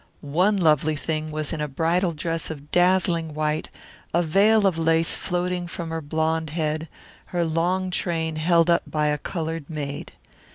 One lovely thing was in bridal dress of dazzling white, a veil of lace floating from her blonde head, her long train held up by a coloured maid.